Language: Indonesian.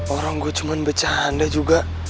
orang gue cuma bercanda juga